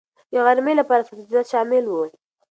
د غرمې لپاره سبزيجات شامل وو.